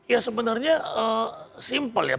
ya sebenarnya simpel ya